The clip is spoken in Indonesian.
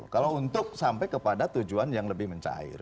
kalau untuk sampai kepada tujuan yang lebih mencair